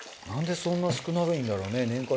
なんでそんな少ないんだろうね？